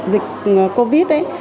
dịch covid ấy